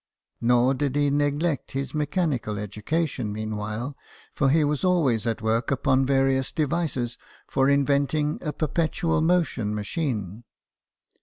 Nor did he neglect his mechanical education meanwhile ; for he was always at work upon various devices for inventing a perpetual motion machine.